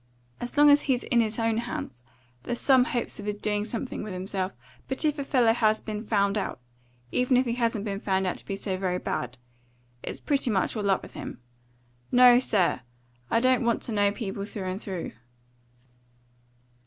As long as he's in his own hands, there's some hopes of his doing something with himself; but if a fellow has been found out even if he hasn't been found out to be so very bad it's pretty much all up with him. No, sir. I don't want to know people through and through."